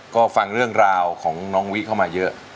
ก็ฟังเรื่องราวของน้องวิเข้ามาเยอะ